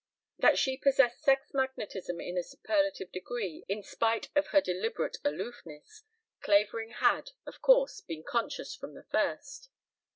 That she possessed sex magnetism in a superlative degree in spite of her deliberate aloofness, Clavering had, of course, been conscious from the first.